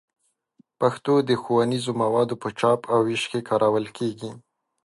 پښتو د ښوونیزو موادو په چاپ او ویش کې کارول کېږي.